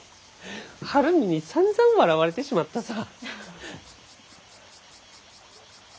晴海にさんざん笑われてしまったさ−。